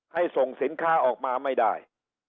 ส่งสินค้าออกมาไม่ได้